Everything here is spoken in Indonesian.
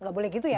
gak boleh gitu ya